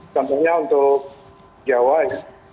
contohnya untuk jawa ya